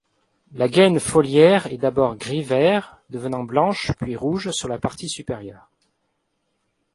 La gaine foliaire est d'abord gris-vert, devenant blanche puis rouge sur la partie supérieure.